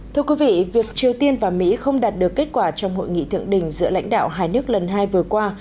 thưa quý vị việc triều tiên và mỹ không đạt được kết quả trong hội nghị thượng đỉnh giữa lãnh đạo hai nước lần hai vừa qua